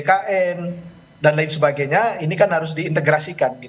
ikn dan lain sebagainya ini kan harus diintegrasikan